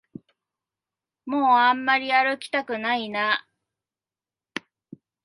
もうあんまり歩きたくないな